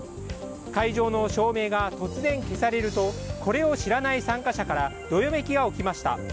会場の照明が突然、消されるとこれを知らない参加者からどよめきが起きました。